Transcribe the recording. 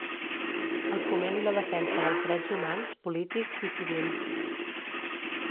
El foment i la defensa dels drets humans, polítics i civils.